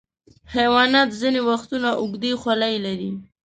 حیوانات ځینې وختونه اوږدې خولۍ لري.